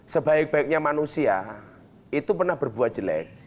sebaik baiknya manusia itu pernah berbuat jelek